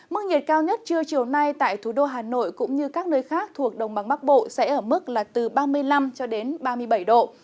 mức nhiệt cao nhất trưa chiều nay tại thủ đô hà nội cũng như các nơi khác thuộc đồng bằng bắc bộ sẽ ở mức là từ ba mươi năm cho đến ba mươi bảy độ